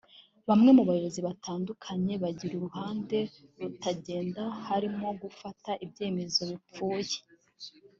Bamwe mu mu bayobozi batandukanye bagira uruhande rutagenda harimo gufata ibyemezo bipfuye